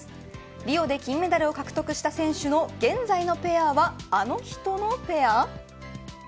リオで金メダルを獲得した選手の現在のペアは、あの人のペア。